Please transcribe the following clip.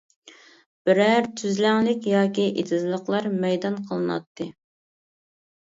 بىرەر تۈزلەڭلىك ياكى ئېتىزلىقلار مەيدان قىلىناتتى.